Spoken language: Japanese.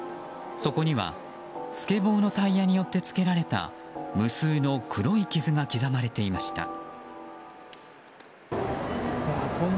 そこには、スケボーのタイヤによってつけられた無数の黒い傷が刻まれていました。